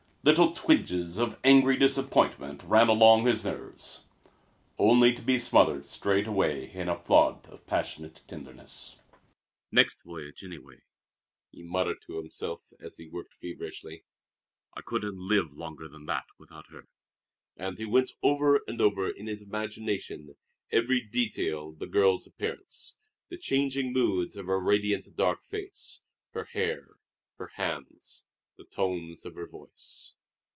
Little twinges of angry disappointment ran along his nerves, only to be smothered straightway in a flood of passionate tenderness. "Next voyage, anyway!" he muttered to himself as he worked feverishly. "I couldn't live longer than that without her!" And he went over and over in his imagination every detail of the girl's appearance, the changing moods of her radiant dark face, her hair, her hands, the tones of her voice.